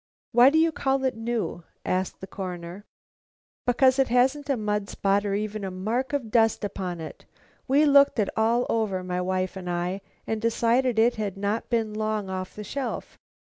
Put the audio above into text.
"Why do you call it new?" asked the Coroner. "Because it hasn't a mud spot or even a mark of dust upon it. We looked it all over, my wife and I, and decided it had not been long off the shelf.